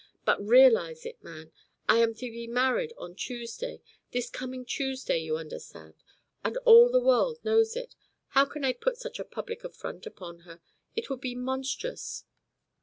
But realise it, man. I am to be married on Tuesday. This coming Tuesday, you understand. And all the world knows it. How can I put such a public affront upon her. It would be monstrous."